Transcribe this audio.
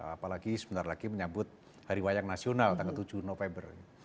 apalagi sebentar lagi menyambut hari wayang nasional tanggal tujuh november